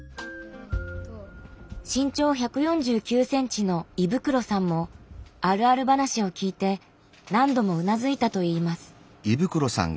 身長１４９ｃｍの衣袋さんもあるある話を聞いて何度もうなずいたといいます。